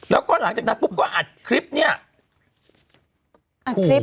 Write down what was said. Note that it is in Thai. แล้วก็หลังจากนั้นก็อัดคลิปอัดคลิป